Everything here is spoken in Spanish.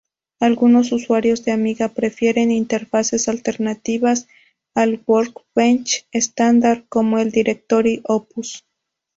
Algunos usuarios de Amiga prefieren interfaces alternativas al Workbench estándar, como el Directory Opus.